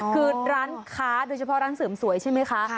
คือร้านค้าโดยเฉพาะร้านเสริมสวยใช่ไหมคะ